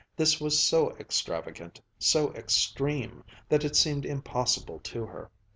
This was so extravagant, so extreme, that it seemed impossible to her.